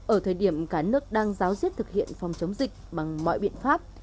ở thời điểm cả nước đang giáo diết thực hiện phòng chống dịch bằng mọi biện pháp